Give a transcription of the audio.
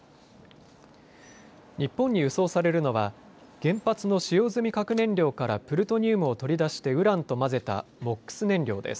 日本に輸送されるのは原発の使用済み核燃料からプルトニウムを取り出してウランと混ぜたＭＯＸ燃料です。